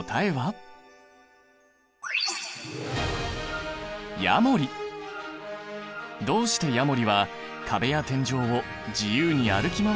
どうしてヤモリは壁や天井を自由に歩き回ることができるのか。